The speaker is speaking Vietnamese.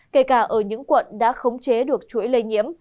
kể cả ở những quận đã khống chế được chuỗi lây nhiễm